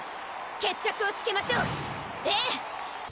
決着をつけましょうええ！